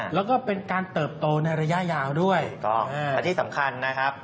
แล้วก็เป็นการเติบโตในระยะยาวด้วยถูกต้องและที่สำคัญนะครับ